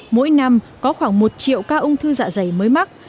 mỗi năm có khoảng một triệu ca ung thư dạ dày mới mắc